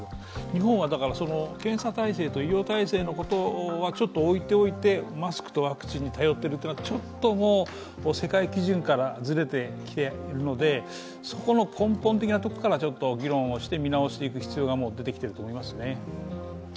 日本は検査体制と、医療体制のことは、ちょっと置いておいてマスクとワクチンに頼っているのは、ちょっともう世界基準からずれてきているので、そこの根本的なところからちょっと議論をして、見直していく必要が、出てきていると思いますね